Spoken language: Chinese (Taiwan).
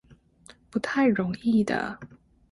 不太容易的